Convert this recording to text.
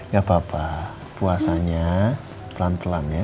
gak apa apa puasanya pelan pelan ya